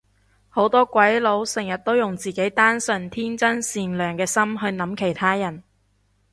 好多鬼佬成日都用自己單純天真善良嘅心去諗其他人